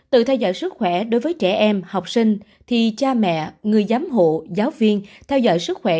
tự theo dõi sức khỏe đối với trẻ em học sinh thì cha mẹ người giám hộ giáo viên theo dõi sức khỏe